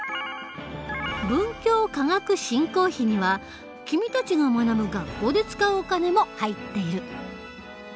文教科学振興費には君たちが学ぶ学校で使うお金も入っている。